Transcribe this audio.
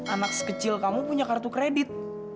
anak sekecil kamu punya kartu kredit